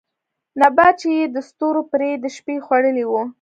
نبات چې يې د ستورو پرې د شپې خـوړلې وو